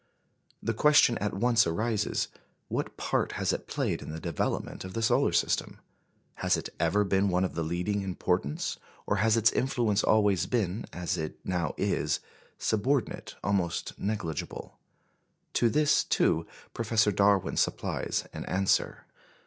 The question at once arises: What part has it played in the development of the solar system? Has it ever been one of leading importance, or has its influence always been, as it now is, subordinate, almost negligible? To this, too, Professor Darwin supplies an answer.